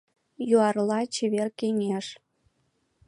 Юарла чевер кеҥеж.